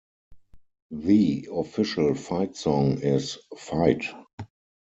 The official fight song is Fight!